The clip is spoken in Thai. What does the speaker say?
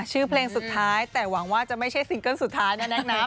ชื่อเพลงสุดท้ายแต่หวังว่าจะไม่ใช่ซิงเกิ้ลสุดท้ายแน่นะ